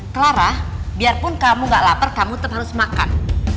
clara biarpun kamu gak lapar kamu tetap harus makan